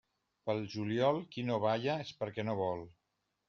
Pel juliol, qui no balla és perquè no vol.